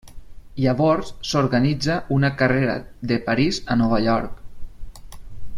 Llavors s'organitza una carrera de París a Nova York.